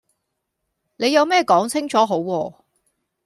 你有咩講清楚好喎